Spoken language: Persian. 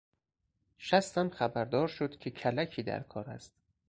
شستم خبر دار شد که کلکی در کار است.